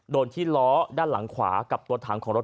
โดนที่ล้อด้านหลังขวากับตัวถังของรถ